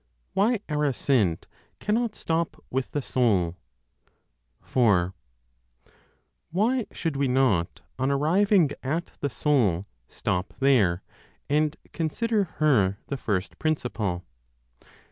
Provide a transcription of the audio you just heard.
WHY OUR ASCENT CANNOT STOP WITH THE SOUL. 4. Why should we not, on arriving at the Soul, stop there, and consider her the first principle?